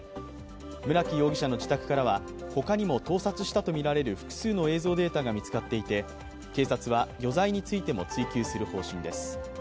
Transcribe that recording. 村木容疑者の自宅からは他にも盗撮したとみられる複数の映像データが見つかっていて警察は余罪についても追及する方針です。